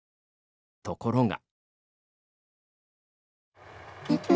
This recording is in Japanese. ところが。